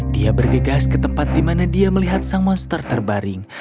dia bergegas ke tempat di mana dia melihat sang monster terbaring